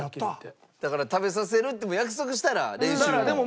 だから食べさせるって約束したら練習も。